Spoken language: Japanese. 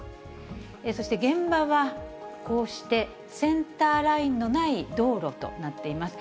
そして現場は、こうしてセンターラインのない道路となっています。